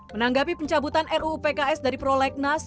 menanggapi pencabutan ruu pks dari prolegnas